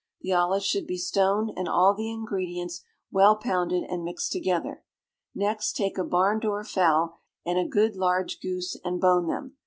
The olives should be stoned, and all the ingredients well pounded and mixed together. Next take a barn door fowl and a good large goose, and bone them.